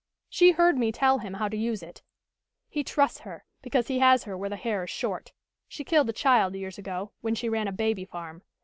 She heard me tell him how to use it. He trusts her, because he has her where the hair is short. She killed a child years ago, when she ran a baby farm.